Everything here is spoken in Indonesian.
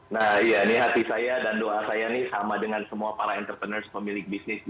nah iya ini hati saya dan doa saya ini sama dengan semua para entrepreneurs pemilik bisnis